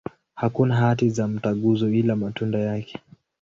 Hakuna hati za mtaguso, ila matunda yake.